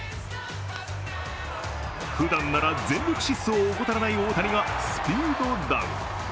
ふだんなら、全力疾走を怠らない大谷がスピードダウン。